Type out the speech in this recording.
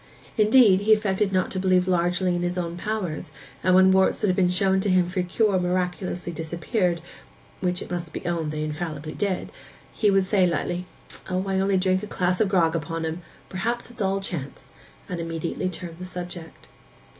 Indeed, he affected not to believe largely in his own powers, and when warts that had been shown him for cure miraculously disappeared—which it must be owned they infallibly did—he would say lightly, 'O, I only drink a glass of grog upon 'em—perhaps it's all chance,' and immediately turn the subject.